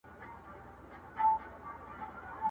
o د سپي د نيستيه ئې چغال تناو کړی دئ٫